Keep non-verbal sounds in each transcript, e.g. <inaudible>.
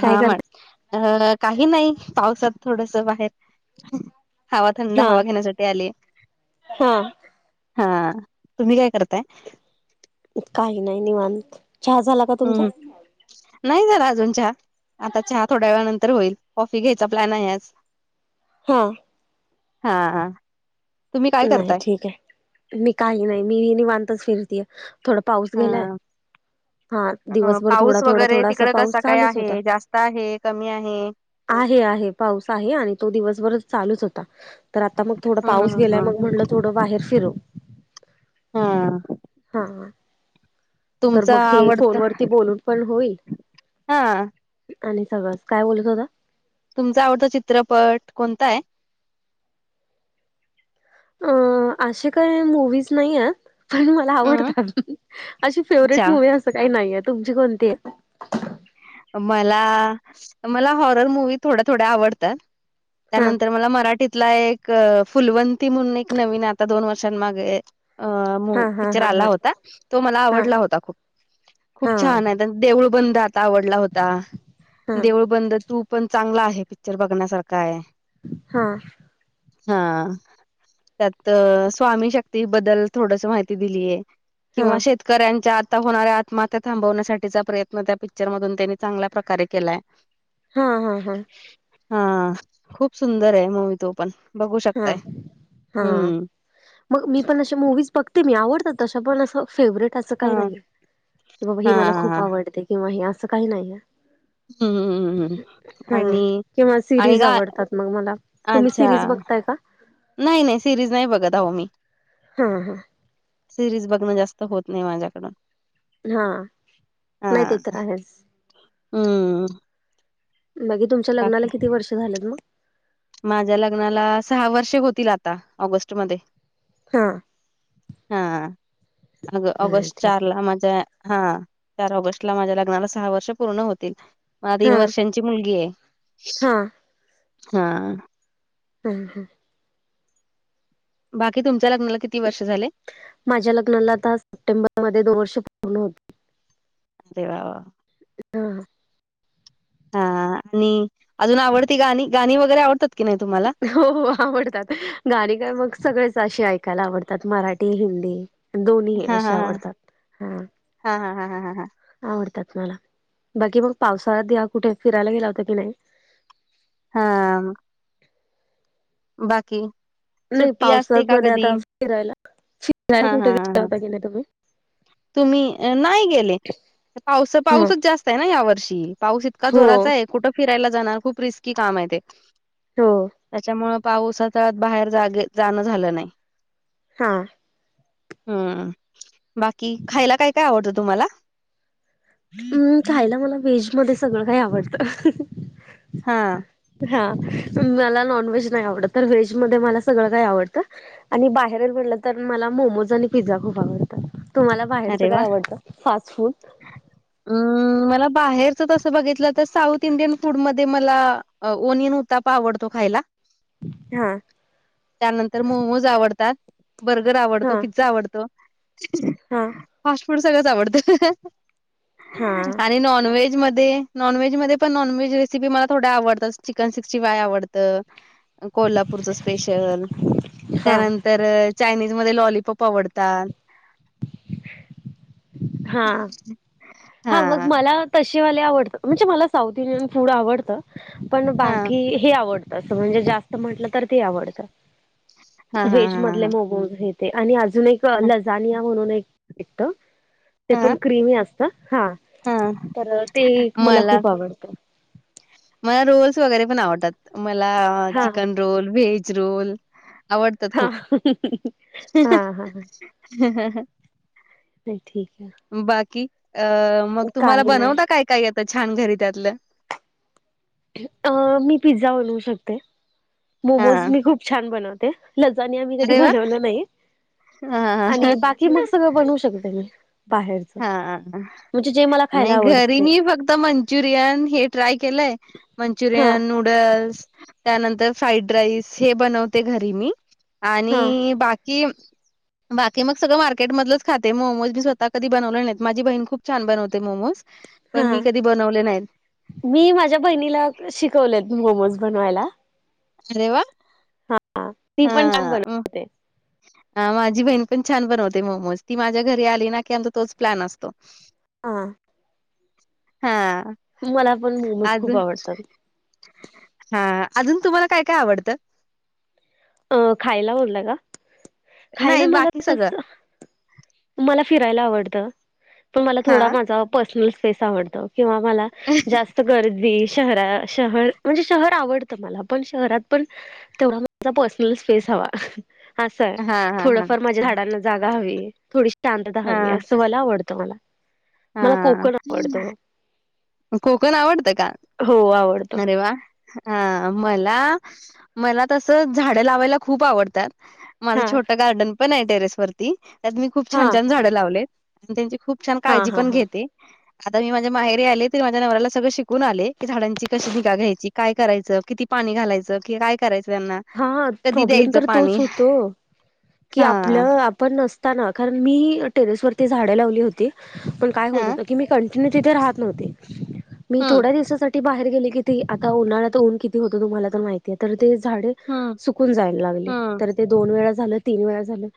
काय हा म करत अ काही नाही पावसात थोडस बाहेर. हवा थंड हा हवा घेण्यासाठी आलीये. हा <inaudible> हा, तुम्ही काय करताय? काही नाही निवांत, चहा झाला? का तुमचा हम्म, नाही झाला अजून चहा. आता चहा थोड्या वेळा नंतर होईल, कॉफी घ्यायचा प्लॅन आहे आज. हो. हा हा. तुम्ही काय नाही करताय ठीक आहे मी काही नाही मी निवांतच फिरतेय थोडं पाऊस हा गेलाय. हा अ, दिवसभर पाऊस थोडा-थोडा वगैरे थोडासा तिकड पाऊस कसा काय चालूच होता. आहे जास्त आहे कमी आहे <inaudible> आहे आहे पाऊस आहे आणि तो दिवसभर चालूच होता. तर आता मग थोडा ह पाऊस म्हणलं थोड बाहेर फिरू, हा <inaudible> हा. तर तुमचा मग हे आवडत फोन वरती बोलून पण होईल. हा <inaudible> आणि सगळस, काय बोलत होता? तुमचा आवडता चित्रपट कोणता आहे? अ असे काय मूवीज नाही आहेत. पण मला अ आवडतात अशी फेवरेट अच्छा मुवी् असं काही नाहीये. तुमची कोणती आहे? मला, मला हॉरर मुवी थोड्या-थोड्या आवडतात. हा त्यानंतर मला मराठीत तला एक फुलवंती म्हणून एक नवीन आता दोन वर्षां मागे अ हा मु हा पिक्चर हा आला हा होता तो हा आवडला होता खूप. खूप हा छान आहे देऊळ बंद आता आवडला होता, हा देऊळ बंद. तो पण चांगला आहे पिक्चर बघण्यासारखा आहे हां हां त्यात स्वामी शक्ती बद्दल थोडसं माहिती दिलीय किंवा हा शेतकऱ्यांच्या आता होणाऱ्या आत्महत्या थांबवण्यासाठीचा प्रयत्न त्यापेक्षा पिक्चर मधुन त्यांनी चांगल्या प्रकारे केलाय हा हा हा हा खुप सुंदर आहे मुवी तो पण बघु हा शकताय हा हम्म मग मी पण असे मुव्हीज बघते मी आवडतात तशा पण अस फेवरेट त्याच हां, काही नाही की बाबा हे हां, मला हां. खुप हां. आवडते किंवा हे अस काही नाही हं, हं, हं, हं हां आणि किंवा आणि सिरीज गा आवडतात मग मला तुम्ही अच्छा. सिरीज बघताय का नाही नाही सिरीज नाही बघत आहो मी हं हं सिरीज बघण जास्त होत नाही माझ्याकड- हा नाही ते तर आहेस हम्म बाकी तुमच्या लग्नाला किती वर्ष झालेत मग माझ्या लग्नाला सहा वर्षे होतील आता ऑगस्ट मध्ये हा हाऊ अग नाही ऑगस्ट ठीक चार ला माझ्या हां चार ऑगस्ट ला माझ्या लग्नाला सहा वर्ष पुर्ण होतील मला आहे तीन हा वर्षांची मुलगी आहे. हा हां हं हं बाकी तुमच्या लग्नाला किती वर्ष झाले माझ्या लग्नाला आता सप्टेंबर मध्ये दोन वर्ष पुर्ण होतील अरे वा वा हां हा आणि अजुन आवडती गाणी गाणी वगैरे आवडतात की नाही तुम्हाला हो हो आवडतात गाणी का मग सगळेच असे ऐकायला आवडतात मराठी हिंदी दोन्ही हा असे हा हा आवडतात हां हा हा हा हा हा हा आवडतात मला बाकी मग पावसाळ्यात या कुठे फिरायला गेला होता की नाही हां - बाकी नाही सुट्टी असते पावसात का मध्ये कधी? आता फिरायला फिराय हा हा कुठे हा गेला हा होता कि नाही तुम्ही तुम्ही नाही गेले पाऊस हा पाऊसच जास्त आहे ना यावर्षी पाऊस इतका हो जोराचा आहे फिरायला जाणार रिस्की काम आहे ते हो त्याच्यामुळे पाऊस आता बाहेर जागे जाण झालं नाही- हां हं बाकी खायला काय काय आवडत तुम्हाला हं खायला मला व्हेज मध्ये सगळ काही आवडत हां हाऊ मला नॉनव्हेज नाही आवडत तर व्हेज मध्ये मला सगळ आवडत आणि बाहेर पडलं तर, मला मोमोज आणि पिझ्झा खूप आवडतात. तुम्हाला बाहेरचं अरे वा काय आवडतं, फास्ट फूड? मला बाहेरच तस बघितलं तर, साऊथ इंडियन फूड मध्ये मला ओनियन उत्तापा आवडतो खायला. हा. त्यानंतर मोमोज आवडतात, बर्गर आवडतो, हा पिझ्झा आवडतो. हा. फास्ट फूड सगळंच आवडत हा आणि नॉनव्हेज मध्ये नॉनव्हेज मधे पण नॉनव्हेज रेसिपी मला थोड्या आवडतात, चिकन सिक्स्टी फाय आवडतं. कोल्हापूरच स्पेशल, हा त्यानंतर परत चायनीज मध्ये लॉलीपॉप आवडतात. हा. <inaudible> हा मग मला तशेवाले आवडतं, म्हणजे मला साऊथ इंडियन फूड आवडतं. पण हा बाकी हे आवडत, अस म्हणजे जास्त म्हंटलं तर ते आवडत. हा व्हेज मधले हा हा मोमोज हे ते आणि अजून एक लजानिया म्हणून एक भेटत. ते हा पण क्रिमी असत, हा हा तर ते मला खूप आवडतं. मला रोल्स वगैरे पण आवडतात, मला हा चिकन रोल, व्हेज रोल. आवडतात हा खूप. हा हा नाही, ठीक आहे. बाकी? अ मग तुम्हाला काही नाही बनवता काय, काय येत छान घरी त्यातलं? अ मी पिझ्झा बनवू शकते. मोमोज हां. मी खूप छान बनवते, लजानीया मी कधी अरे वाह! बनवलं नाही. <unintelligible> कि मग सगळं बनवू शकते मी. बाहेरच हा म्हणजे जे मला खायला नाही आवडतं घरी ते म फक्त मण च्युरिन हे ट्राय केलंय, हा मंचुरियन, नुड नूडल्स त्यानंतर फ्राईड राईस, हे बनवते घरी मी हा आणि बाक कि, बाकी मग सगळं मार्केट मधलंच खाते, मोमोज मी स्वतः कधी बनवले नाहीत. माझी बहीण खूप छान बनवते मोमोज, पण हा मी कधी बनवले नाहीत. मी माझ्या बहिणीला शिकवलेत मोमोज बनवायला. अरे वा. हा, ती पण छान बनवते. हा माझी बहीण पण छान बनवते मोमोज, ती माझ्या घरी आली ना की, आमचा तोच प्लॅन असतो. हा. हा. मला पण मोमोज खूप अजून आवडतात. हा, अजून तुम्हाला काय, काय आवडतं? अ खायला म्हणलं ग, खायला नाही मला बाकी सगळं तस मला फिरायला आवडत, पण मला हा थोडा माझा पर्सनल स्पेस आवडत. किंवा मला जास्त गर्दी शहरा शहर म्हणजे शहर आवडतं मला पण, शहरात पण तेवढा च पर्सनल स्पेस हवा, असाय हा हा हा. थोडफार माझ्या झाडांना जागा हवी, थोडी शांतता हवी, अ असं मला आवडतं मला. मला हा कोकण आवडतं. कोकण आवडतं का? हो आवडतो अरे वा! हा मला मला तसं झाडं लावायला खूप आवडतात. माझं हा छोटं गार्डन पण आहे टेरेस वरती, त्यात मी खूप हा छान छान झाडं लावलेत आणि त्यांची खूप छान हा काळजी हा पण हा घेते. आता मी माझ्या माहेरी आले ते माझ्या नवऱ्याला सगळं शिकून आले, की झाडांची कशी निगा घ्यायची, काय करायचं, किती पाणी घालायचं कि काय करायचं त्यांना? हा कधी प्रॉब्लेम द्यायचं तर पाणी तोच होतो ओ. कि हा आपलं आपण नसताना, कारण मी टेरेसवरती झाडे लावली हो ती, पण काय हा होत होतं की मि कन्टीन्यु तिथे राहत नव्हती, मी हम्म थोड्या दिवसासाठ ठी बाहेर गेली कि ती, आता उन्हाळा तर उन किती होतं तुम्हाला तर माहितीय, तर ते झाडे हम्म. सुकून जायला लागली, हम्म. तर ते दोन वेळा झालं तीन वेळा झालं,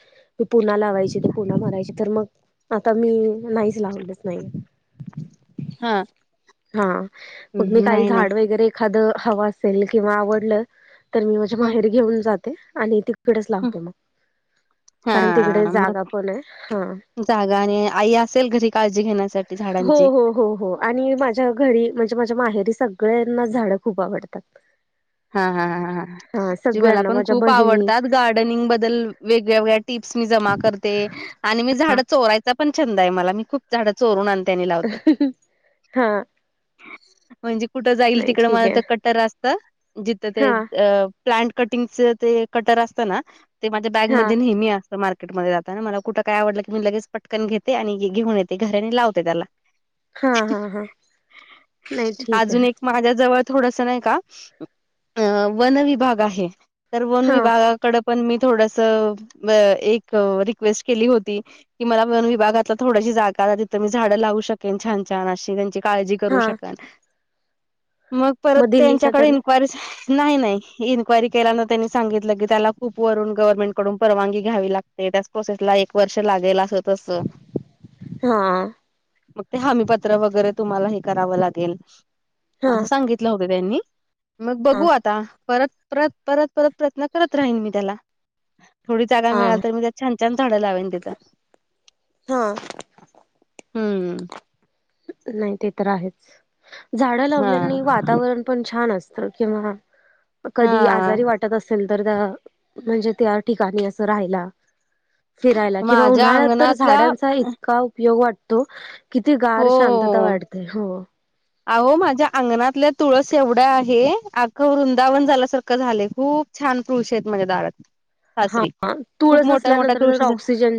मी पुन्हा लावायची ते पुन्हा मरायची तर मग आता मी नाहीच लावलच नाही. हा हा, मग मी हं, काय नाही नाही झाड वगैरे एखादं हवं असेल किंवा आवडलं तर मी माझ्या हा माहेरी घेऊन जाते आणि ति कडेच लावते मग, कारण तिकडे मग जागा पण आहे हा. जागा आणि आई असेल घरी काळजी घेण्यासाठी झाडा हो हो हो हो. आणि माझ्या घरी म्हणजे माझ्या माहेरी सगळ्यांना झाडं खूप आवडतात. हा हा हा जे मला सगळ्यांना पण माझ्या खूप बहिणी आवडतात गार्डनिंग बद्दल वेगगेवळ्या टिप्स मी जमा करते आणि मी झाडं चोरायचा पण छंद हाय मला, मी खूप झाडं चोरून आणते आणि लावते. हा म्हणजे कुठं जाईल नाही तिकडं ठीक माझं आहे तर कट्टर असतं, जिथं ते हा अ प्लांट कटिंगच ते कटर असतं ना, ते माझ्या हा बॅगमध्ये नेहमी अस त मार्केटमध्ये जाताना मला कुठं काय आवडलं मी लगेच पटकन घेते आणि घेऊन येते घरी आणि लावते त्याला. हा हा हा नाही ठीक अजून आहे एक माझ्या जवळ थोडंस नाही का, अ वन विभाग आहे तर वन हा विभागाकडं पण मी थोडसं एक रिक्वेस्ट केली होती की मला वन विभागातलं थोडशी जागा द्या, तिथं मी झाडं लावू शकेन छान छान अशी त्यांची काळजी करू हा शकन, मग परत दिली का त्यांच्याकडे त्याने इनक्वायरि नाही नाही, इनक्वायरी केल्यानं त्यांनी सांगितलं की त्याला खूप वरून गव्हर्नमेंट कडून परवानगी घ्यावी लाग ते त्याच प्रोसेस ला एक वर्ष लागेल असं तसं. हा ते हमीपत्र वगैरे तुम्हाला हे करावं लागेल हा असं सांगितलं होतं त्यांनी. मग हा बघू आता, परत परत परत परत प्रयत्न करत राहीन मी त्याला. थोडी जागा हा मिळालं तर मी त्यात छान छान झाडं लावेन तिथं. हा. हम्म. नाही ते तर आहेच, झाडं हा लावल्याने वातावरण पण छान अस त किंवा कधी हा आजारी वाटत असेल तर अ म्हणजे त्या ठिकाणी असं राहायला. फिरायला किंवा माझ्या उन्हाळ्यात तर अंगणातल्या झाडांचा इतका उपयोग वाटतो, किती हो गार शांतता वाटते हो. अहो माझ्या अंगणातल्या तुळस एवढ्या आहे, आख्खं वृंदावन झाल्यासारखं झालंय खूप छान तुळशी आहेत माझ्या दारात. सासरी हा खूप तुळस मोठ्या मोठ्या असल्यानंतर तुळशी ऑक्सिजन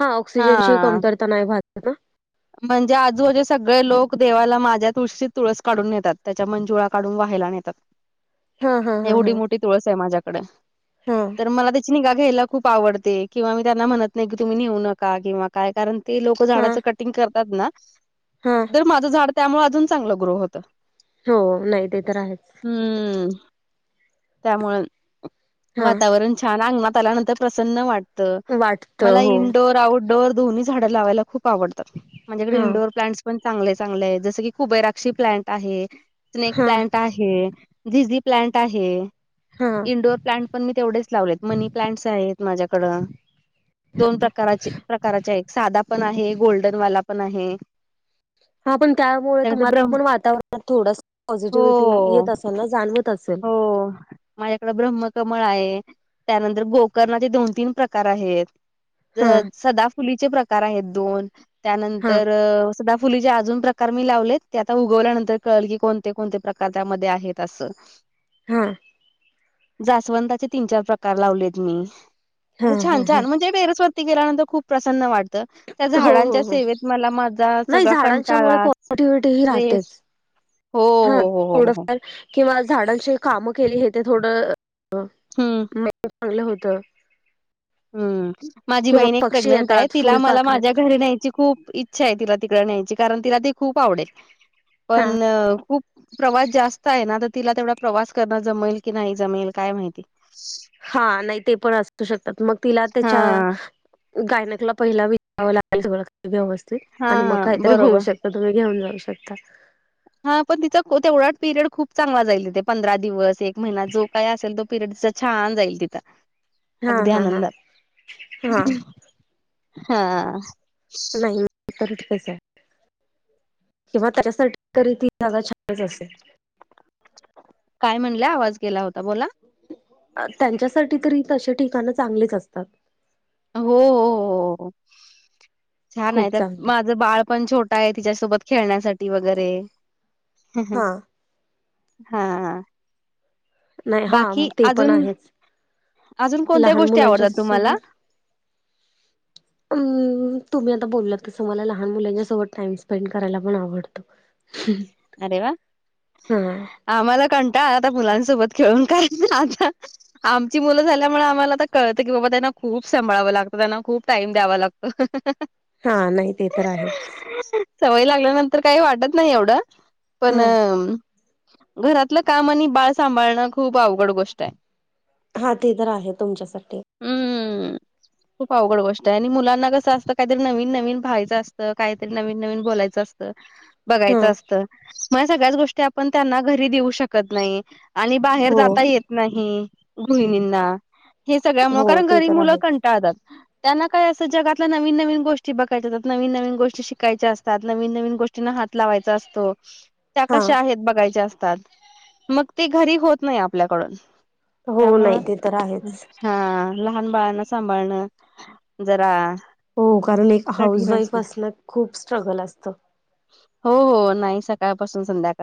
हा ऑक्सिजनची कमतरता नाही भज ना म्हणजे आजूबाजूचं सगळे लोक देवाला माझ्या तुळशीत तुळस काढून नेतात त्याच्या मंजुळा काढून व्हायला नेतात. हा हा एवढी मोठी तुळस आहे माझ्याकडे हां तर मला त्याची निगा घ्यायला खूप आवडते किंवा मी त्यांना म्हणत नाही की तुम्ही नेऊ नका किंवा काय कारण ती लोक हा हा झाडाचं कटिंग करतात ना? हा तर माझं झाड त्यामुळे अजून चांगलं ग्रो होतं. हो नाही ते तर आहेच हम्म त्यामुंण हा वातावरण छान अंगणात आल्यानंतर प्रसन्न वाटतं वाटत मला हो इनडोअर आउटडोअर दोन्ही झाडं लावायला खूप आवडता. म्हणजे इकडे हा इंनडोअर प्लांट्स पण चांगले चांगले आहे जसं की कुबेराक्षी प्लांट आहे. स्नेक हा प्लांट आहे झिझी प्लांट आहे. हा इंनडोर प्लांट पण मी तेवढेच लावलेत मनी प्लांट्स आहेत माझ्याकडं दोन प्रकाराचे प्रकाराच्या एक साधा पण आहे गोल्डन वाला पण आहे. हा पण त्यामुळे त्यानंतर तुम्हाला ब्रह्म पण वातावरणात थोडंसं हो पॉझिटिव्हिटी येत असेल ना जाणवत असेल हो माह्याकडं ब्रह्मकमळ आहे. त्यानंतर गोकर्णाचे दोन तीन प्रकार आहेत. त हा सदाफुलीचे प्रकार आहेत दोन हा त्यानंतर सदाफुली चे अजून प्रकार मी लावलेत ते आता उगवल्यानंतर कळल की कोणते कोणते प्रकार त्यामध्ये आहेत असं. हां जास्वंताचे तीन चार प्रकार लावलेत मी असं हा हा छान छान ह म्हणजे टेरेसवर ती गेल्यानंतर खूप प्रसन्न वाट त त्या हो हो झाडांच्या हो सेवेत मला माझा नाही सगळा झाडांच्या मुळे कंटाळा पॉझिटिव्हिटी ही राहतेच स्ट्रेस हो हा हो हो हो हो थोडंफार किंवा झाडांची कामं केली हे ते थोडं हं, म चांगलं होत. हम् माझी किंवा बहीण एक पक्षी प्रेग्नेंट आहे येतात तिला मला माझ्या फुलपाखरत घरी न्यायची खूप इच्छा आहे तिला तिकड न्यायची कारण तिला ते खूप आवडेल हा पण खूप प्रवास जास्त आहे ना तर तिला तेवढा प्रवास करणं जमेल की नाही जमेल काय माहिती हा नाही ते पण असू शकतात मग तिला त्याच्या हां, गायनाकला पहिला विचव <inaudible> लागेल खाली सगळं व्यवस्थित आणि मग हां. काहीतरी होऊ शकत तुम्ही घेऊन जाऊ शकता. <inaudible> हा पण तिचा तेवढा पिरियड खूप चांगला जाईल तिथ पंधरा दिवस एक महिना जो काय असेल तो पिरडस् असा छान जाईल तिथं हा अगदी हा हा आनंदात हा हां हा नाही तरी ठिकच आहे किंवा त्याच्यासाठी तरी ती जागा छानच असे काय म्हणल्या आवाज गेला होता बोला त्यांच्यासाठी तरी तशे ठिकाणं चांगलीच असतात. हो हो हो छान आहे खूप त्यात चांगली माझं बाळ पण छोट टाय तिच्यासोबत खेळण्यासाठी वगैरे हूं हूं हा हां... नाही हा बाकी ते पण अजून आहेच अजून कोणत्या लहान गोष्टी मुलांच्या आवडतात तुम्हाला सोबत <inaudible> अं..... तुम्ही आता बोलला तसं मला लहान मुलांच्या सोबत टाइम स्पेंड करायला पण आवडतो. अरे वा. हा आम्हाला कंटाळा आता मुलांसोबत खेळून कायच आता आमची मुलं झाल्यामुळे आम्हाला आता कळतं की बाबा त्यांना खूप सांभाळावं लागतं, त्यांना खूप टाइम द्यावं लागतं. <inaudible> हा नाही ते तर आहेच सवय लागल्यानंतर काही वाटत नाही एवढं. पण हा घरातलं काम आणि बाळ सांभाळणं खूप अवघड गोष्ट आहे. हा ते तर आहे तुमच्यासाठी. हम्म. खूप अवघड गोष्ट आहे, आणि मुलांना कस असं काहीतरी नवीन, नवीन पहायचं असत काहीतरी नवीन नवीन बोलायचं च असतं. हा बघायचं असत म सगळ्याच गोष्टी आपण त्यांना घरी देऊ शकत नाही. आणि बाहेर हो जाता येत नाही गृहिणींना. हे सगळ्यामुळे हो कारण ते घरी तर मुलं आहेच कंटाळतात. त्यांना काय असं जगातला नवीन, नवीन गोष्टी बघायच्या असतात नवीन, नवीन गोष्टी शिकायच्या असतात नवीन नवीन गोष्टींना हात लावायचा असतो, त्या हा कशा आहेत बघायच्या असतात. मग ते घरी होत नाही आपल्याकडून हो त्यामुळ नाही ते तर आहेच हा लहान बाळण सांभाळणं जरा हो कारण एक हाऊस कठीण वाईफ असत असण्यात खूप स्ट्रगल असतं. हो हो नाही सकाळपासून संध्याकाळपर्यंत